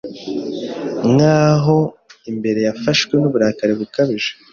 Nkaho imbere yafashwe nuburakari bukabije